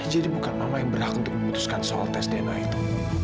jadi bukan mama yang berhak untuk memutuskan soal tes dna itu